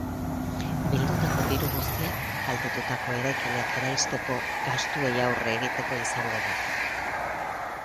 Bildutako diru guztiak kaltetutako eraikinak eraisteko gastuei aurre egiteko izango da.